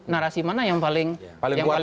narasi mana yang paling